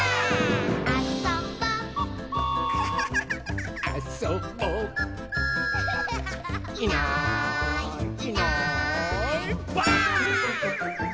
「あそぼ」「あそぼ」「いないいないばあっ！」